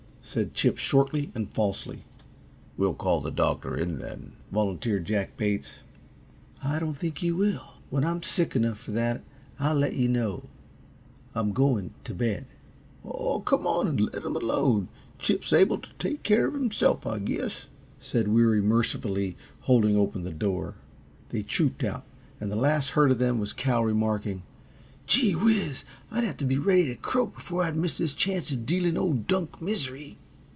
said Chip, shortly and falsely. "We'll call the doctor in, then," volunteered Jack Bates. "I don't think you will. When I'm sick enough for that I'll let you know. I'm going to bed." "Aw, come on and let him alone. Chip's able t' take care of himself, I guess," said Weary, mercifully, holding open the door. They trooped out, and the last heard of them was Cal, remarking: "Gee whiz! I'd have t' be ready t' croak before I'd miss this chance uh dealing old Dunk misery."